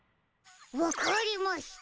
わかりました。